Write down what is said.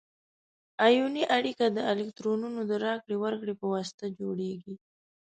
ایوني اړیکه د الکترونونو د راکړې ورکړې په واسطه جوړیږي.